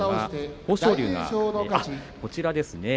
豊昇龍がこちらですね。